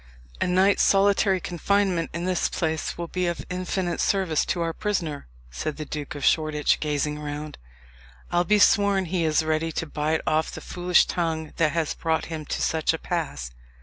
"A night's solitary confinement in this place will be of infinite service to our prisoner," said the Duke of Shoreditch, gazing around. "I'll be sworn he is ready to bite off the foolish tongue that has brought him to such a pass."